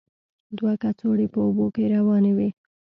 دوه کڅوړې په اوبو کې روانې وې.